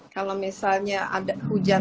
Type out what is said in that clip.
kalau misalnya ada hujan